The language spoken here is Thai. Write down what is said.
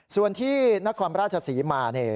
ส่วนที่นักความราชศรีมาเนี่ย